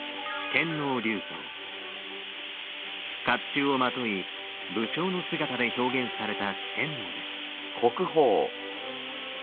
甲冑をまとい武将の姿で表現された四天王です。